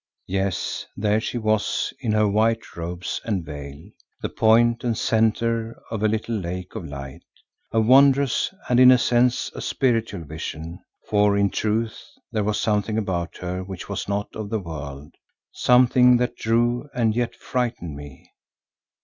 Yes, there she was in her white robes and veil, the point and centre of a little lake of light, a wondrous and in a sense a spiritual vision, for in truth there was something about her which was not of the world, something that drew and yet frightened me.